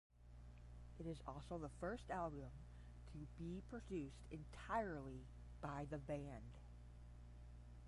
It is also the first album to be produced entirely by the band.